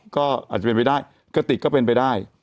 ก็อาจจะเป็นไปได้กระติกก็เป็นไปได้